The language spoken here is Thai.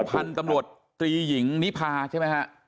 พันธุ์ตำรวจตรีหญิงนิพาใช่ไหมฮะ